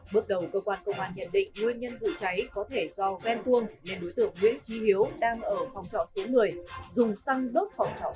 bước đầu công an nhận định nguyên nhân vụ cháy có thể do ven tuông nên đối tượng nguyễn trí hiếu đang ở phòng trọ số một mươi dùng xăng đốt phòng trọ số ba